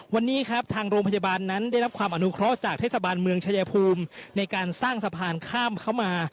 วันนี้ครับทางโรงพยาบาลนั้นได้รับความอนุเคราะห์จากเทศบาลเมืองชายภูมิในการสร้างสะพานข้ามเข้ามา